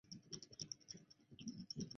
东塔的历史年代为明。